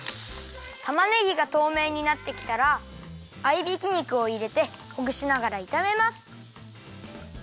たまねぎがとうめいになってきたらあいびき肉をいれてほぐしながらいためます。